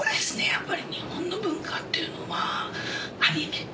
やっぱり日本の文化っていうのはアニメ。